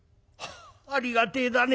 「ありがてえだね。